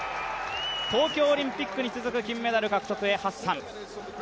東京オリンピックに続く金メダル獲得へ、ハッサン。